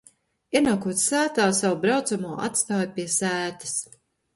Ienākot sētā, savu braucamo atstāju pie sētas.